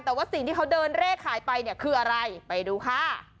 แต่ว่าสิ่งที่เขาเดินเลขขายไปเนี่ยคืออะไรไปดูค่ะ